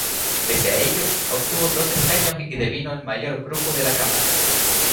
Pese a ello, obtuvo doce escaños y devino el mayor grupo de la Cámara.